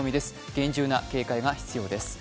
厳重な警戒が必要です。